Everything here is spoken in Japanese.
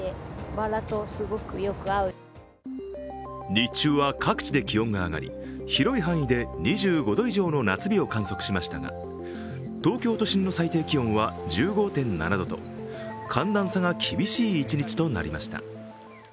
日中は各地で気温が上がり、広い範囲で２５度以上の夏日を観測しましたが東京都心の最低気温は１５．７度と寒暖差が厳しい一日となりました。